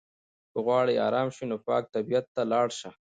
که غواړې ارام شې نو پاک طبیعت ته لاړ شه.